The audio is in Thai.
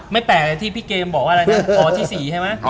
ไม่แต่ที่พี่เกมบอกว่าอะไรนะอ๋อที่สี่ใช่ไหม